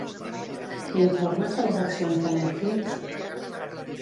M'informes de les accions de Netflix?